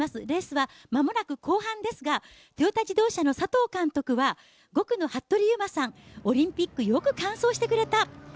レースは間もなく後半ですが、トヨタ自動車の佐藤監督は５区の服部勇馬さん、オリンピックよく完走してくれた。